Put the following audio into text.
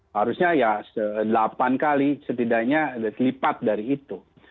harusnya delapan kali setidaknya terlipat dari itu